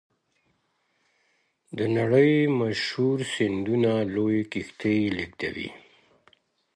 د نړۍ مشهورې سیندونه لویې کښتۍ لیږدوي.